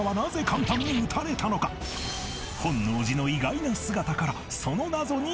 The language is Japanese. さらに本能寺の意外な姿からその謎に迫る